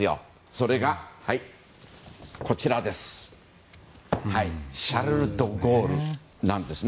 それがシャルル・ド・ゴールなんです。